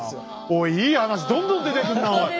おいいい話どんどん出てくんなおい！